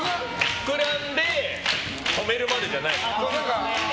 膨らんで止めるまでじゃないの。